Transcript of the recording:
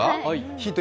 ヒント